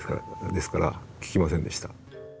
ですから聞きませんでした。